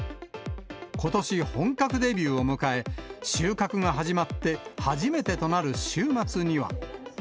ことし本格デビューを迎え、収穫が始まって初めてとなる週末には。